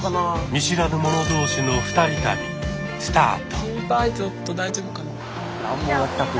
見知らぬ者同士の二人旅スタート。